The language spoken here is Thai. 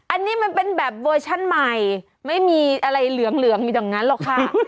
อันนี้มันเป็นแบบเวอร์ชั่นใหม่ไม่มีอะไรเหลืองอยู่ตรงนั้นหรอกค่ะ